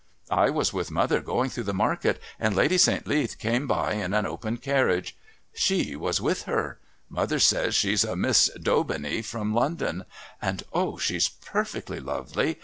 "I was with mother going through the market and Lady St. Leath came by in an open carriage. She was with her. Mother says she's a Miss Daubeney from London and oh! she's perfectly lovely!